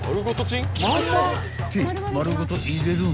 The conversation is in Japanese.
［って丸ごと入れるん？］